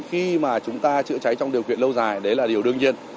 khi mà chúng ta chữa cháy trong điều kiện lâu dài đấy là điều đương nhiên